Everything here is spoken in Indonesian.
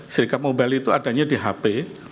serikat mobile itu adanya di hp